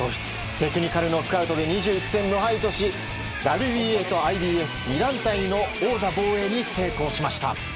テクニカルノックアウトで２１戦無敗としてＷＢＡとＩＢＦ２団体の王座防衛に成功しました。